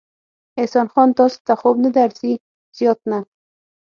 احسان خان، تاسې ته خوب نه درځي؟ زیات نه.